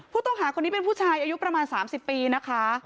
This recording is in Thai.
ผู้ต้องหาคนนี้เป็นผู้ชายอายุประมาณ๓๐ปีนะคะ